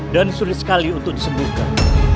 dan sulit sekali untuk disembuhkan